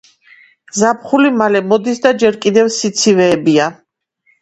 ზაფხული მალე მოდის და ჯერ კიდევ სიცივეებია